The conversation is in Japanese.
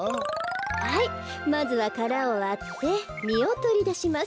はいまずはからをわってみをとりだします。